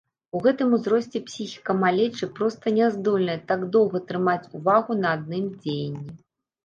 У гэтым узросце псіхіка малечы проста няздольная так доўга трымаць увагу на адным дзеянні.